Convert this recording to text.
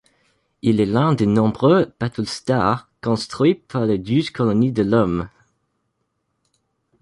Il est l'un des nombreux battlestars construits par les Douze Colonies de l'Homme.